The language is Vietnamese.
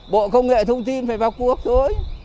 bộ công nghệ thông tin phải vào cuộc thôi